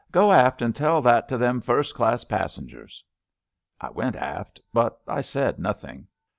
Go aft an' tell that to them, first class passengers." I went aft, but I said nothing.